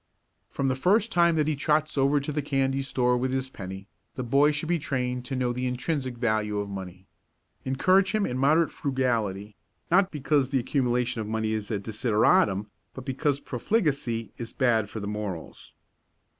From the first time that he trots over to the candy store with his penny, the boy should be trained to know the intrinsic value of money. Encourage him in moderate frugality, not because the accumulation of money is a desideratum, but because profligacy is bad for the morals.